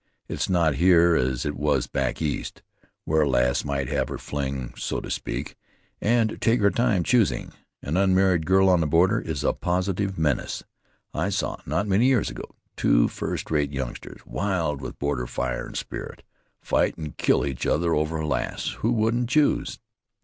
It's not here as it was back east, where a lass might have her fling, so to speak, and take her time choosing. An unmarried girl on the border is a positive menace. I saw, not many years ago, two first rate youngsters, wild with border fire and spirit, fight and kill each other over a lass who wouldn't choose.